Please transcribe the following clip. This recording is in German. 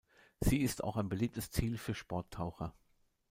Sie ist auch ein beliebtes Ziel für Sporttaucher.